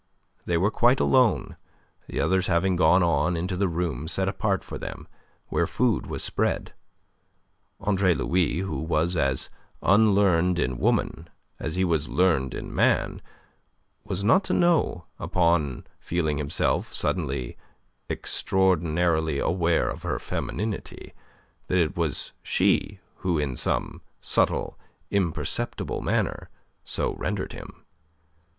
They were quite alone, the others having gone on into the room set apart for them, where food was spread. Andre Louis, who was as unlearned in Woman as he was learned in Man, was not to know, upon feeling himself suddenly extraordinarily aware of her femininity, that it was she who in some subtle, imperceptible manner so rendered him.